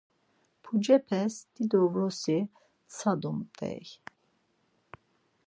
Pucepes dido vrosi tsadumt̆ey.